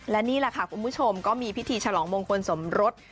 และนี่คุณผู้ชมก็มีพิธีฉลองมงคลสมรส